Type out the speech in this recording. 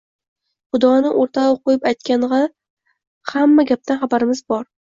Xudoni o‘rtag‘a qo‘yib aytg‘anda, hamma gapdan xabarimiz bor